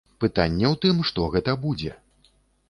Пытанне ў тым, што гэта будзе.